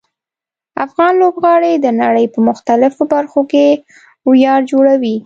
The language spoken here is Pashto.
افغان لوبغاړي د نړۍ په مختلفو برخو کې ویاړ جوړوي.